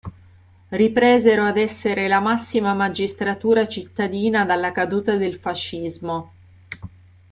Ripresero ad essere la massima magistratura cittadina dalla caduta del fascismo.